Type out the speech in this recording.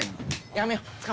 やめよう。